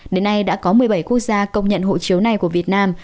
đến nay đã có một mươi bảy quốc gia công nhận hộ chiếu này của việt nam